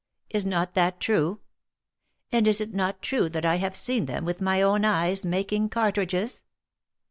Is not that true? And is it not true that I have seen them, with my own eyes, making cartridges